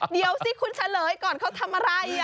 เดี๋ยวสิคุณเฉลยก่อนเขาทำอะไร